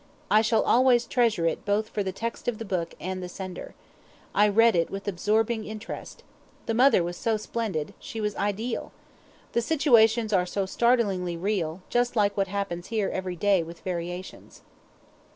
I shall always treasure it both for the text of the book and the sender. I read it with absorbing interest. The mother was so splendid. She was ideal. The situations are so startlingly real, just like what happens here every day with variations.